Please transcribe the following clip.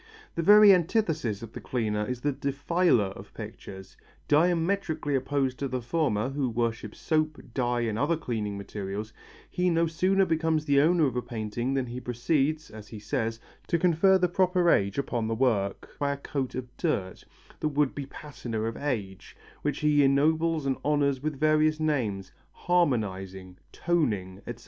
The very antithesis of the cleaner is the defiler of pictures. Diametrically opposed to the former, who worships soap, dye and other cleansing materials, he no sooner becomes the owner of a painting than he proceeds, as he says, to confer the proper age upon the work, by a coat of dirt, the would be patina of age, which he ennobles and honours with various names: harmonizing, toning, etc.